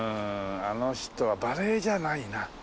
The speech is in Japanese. あの人はバレエじゃないな。